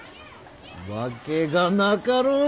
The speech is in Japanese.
わけがなかろう！